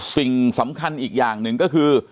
สิ่งสำคัญอีกอย่างหนึ่งก็คือ